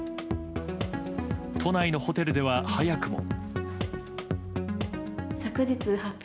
都内のホテルでは早くも。